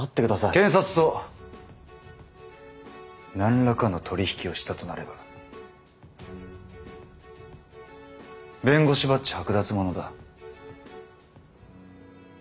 検察と何らかの取り引きをしたとなれば弁護士バッチ剥奪ものだ。